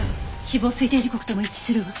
死亡推定時刻とも一致するわ。